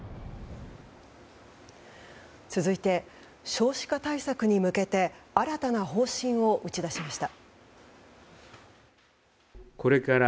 続いて少子化対策に向けて新たな方針を打ち出しました。